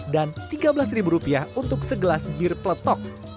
dan tiga belas rupiah untuk segelas bir pletok